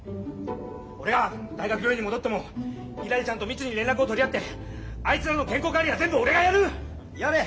俺が大学病院に戻ってもひらりちゃんと密に連絡を取り合ってあいつらの健康管理は全部俺がやる！